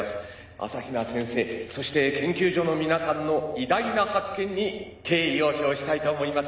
朝比奈先生そして研究所の皆さんの偉大な発見に敬意を表したいと思います。